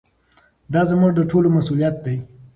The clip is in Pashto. دا زموږ د ټولو مسؤلیت دی.